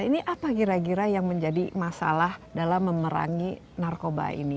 ini apa kira kira yang menjadi masalah dalam memerangi narkoba ini